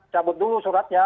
cabut dulu suratnya